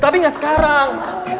tapi gak sekarang